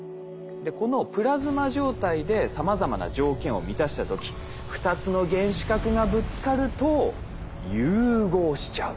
でこのプラズマ状態でさまざまな条件を満たした時２つの原子核がぶつかると融合しちゃう。